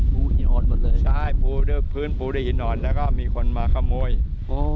หูอีอ่อนหมดเลยใช่ปูด้วยพื้นปูด้วยหินอ่อนแล้วก็มีคนมาขโมยโอ้